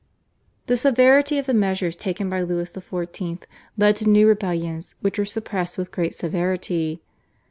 The severity of the measures taken by Louis XIV. led to new rebellions, which were suppressed with great severity.